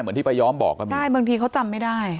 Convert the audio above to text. ใช่บางทีเขาจำไม่ได้